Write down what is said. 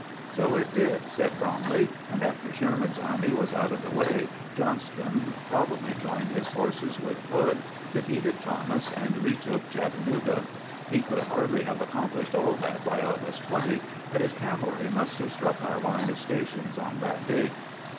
"So it did," said Bromley; "and after Sherman's army was out of the way Johnston probably joined his forces with Hood, defeated Thomas, and retook Chattanooga. He could hardly have accomplished all that by August 20, but his cavalry must have struck our line of stations on that date."